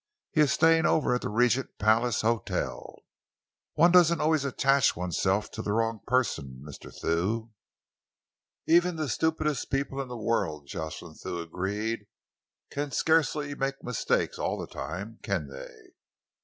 He is staying over at the Regent Palace Hotel." "One doesn't always attach oneself to the wrong person, Mr. Thew." "Even the stupidest people in the world," Jocelyn Thew agreed, "can scarcely make mistakes all the time, can they?